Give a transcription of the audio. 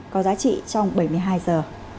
có giá trị trong bảy mươi hai giờ